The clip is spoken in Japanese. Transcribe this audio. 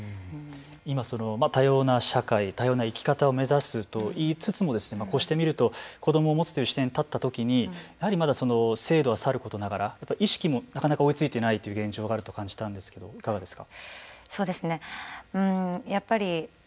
今、多様な社会多様な生き方を目指すと言いつつもこうして見ると子どもを持つという視点に立ったときに制度はさることながら意識もなかなか追いついていないという現状があると感じたんですけれどもいかがですか。